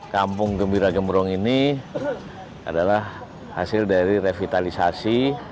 kampung gembira gembrong ini adalah hasil dari revitalisasi